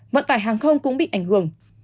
vận tải hàng không cũng bị ảnh hưởng